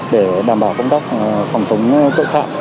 để đảm bảo công tác phòng chống tội phạm